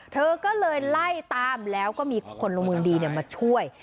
เธอก็เลยไล่ตามแล้วก็มีคนละเมืองดีมาช่วย